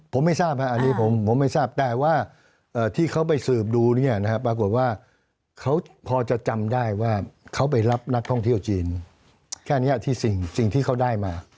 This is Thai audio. ผมไม่ทราบครับอันนี้ผมไม่ทราบแต่ว่าที่เขาไปสืบดูเนี่ยนะครับปรากฏว่าเขาพอจะจำได้ว่าเขาไปรับนักท่องเที่ยวจีนแค่นี้ที่สิ่งที่เขาได้มา